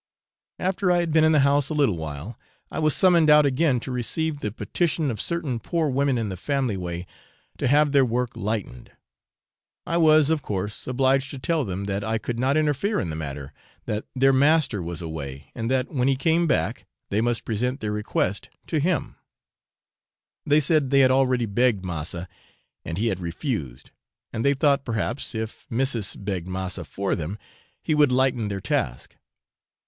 After I had been in the house a little while, I was summoned out again to receive the petition of certain poor women in the family way to have their work lightened. I was, of course, obliged to tell them that I could not interfere in the matter, that their master was away, and that, when he came back, they must present their request to him: they said they had already begged 'massa,' and he had refused, and they thought, perhaps, if 'missis' begged 'massa' for them, he would lighten their task.